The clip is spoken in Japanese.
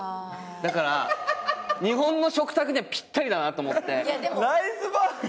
だから日本の食卓にはピッタリだなと思って。